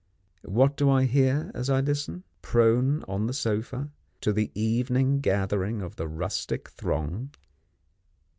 What do I hear as I listen, prone on the sofa, to the evening gathering of the rustic throng?